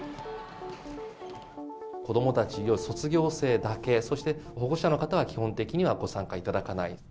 子どもたちは卒業生だけ、そして保護者の方は基本的にはご参加いただかない。